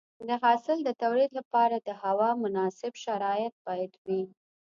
د حاصل د تولید لپاره د هوا مناسب شرایط باید وي.